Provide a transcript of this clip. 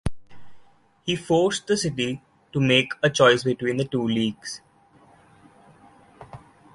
He forced the city to make a choice between the two leagues.